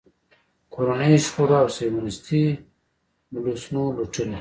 کورنیو شخړو او صیهیونېستي بلوسنو لوټلی.